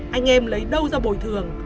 anh em lấy đâu ra bồi thường